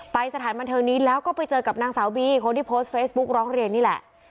สถานบันเทิงนี้แล้วก็ไปเจอกับนางสาวบีคนที่โพสต์เฟซบุ๊กร้องเรียนนี่แหละ